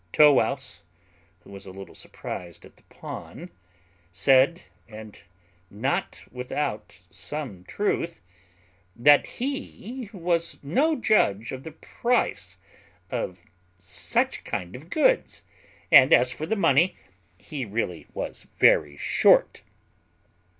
Tow wouse, who was a little surprized at the pawn, said (and not without some truth), "That he was no judge of the price of such kind of goods; and as for money, he really was very short."